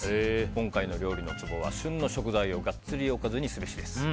今回の料理のツボは、旬の食材をがっつりおかずにすべしです。